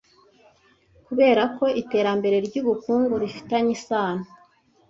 Kubera ko iterambere ry’ubukungu rifitanye isano